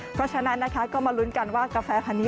เพราะฉะนั้นนะคะก็มาลุ้นกันว่ากาแฟคันนี้